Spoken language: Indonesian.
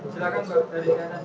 silahkan pak dari kanan